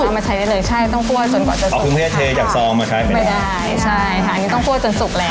ไม่ได้ใช่อันนี้ต้องคั่วจนสุกแล้ว